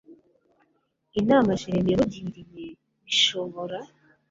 inama Jeremy yamugiriye bishobora